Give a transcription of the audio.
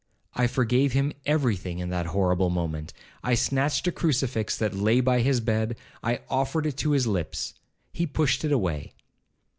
I forgave him every thing in that horrible moment. I snatched a crucifix that lay by his bed—I offered it to his lips. He pushed it away.